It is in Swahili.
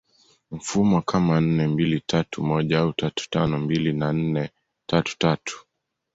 mfumo kama nne mbili tatu moja au tatu tano mbili na nne tatu tatu